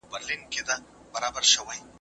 کمپيوټر کورس پلان جوړوي.